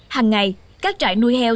hằng ngày các trại nuôi heo